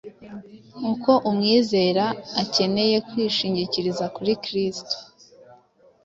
uko umwizera akeneye kwishingikiriza kuri kristo.